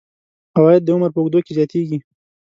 عواید د عمر په اوږدو کې زیاتیږي.